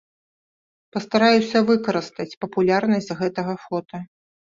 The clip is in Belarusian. Пастараюся выкарыстаць папулярнасць гэтага фота.